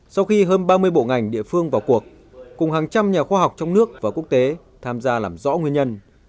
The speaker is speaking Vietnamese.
sau khi hơn ba mươi bộ ngành địa phương vào cuộc cùng hàng trăm nhà khoa học trong nước và quốc tế tham gia làm rõ nguyên nhân